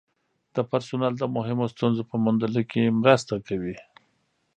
د پرسونل د مهمو ستونزو په موندلو کې مرسته کوي.